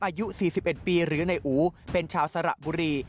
อายุ๔๑ปีหรือนายอู๋เป็นชาวสระบุรี